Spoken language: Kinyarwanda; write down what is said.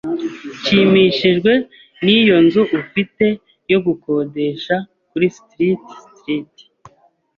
Nshimishijwe n'iyo nzu ufite yo gukodesha kuri Street Street.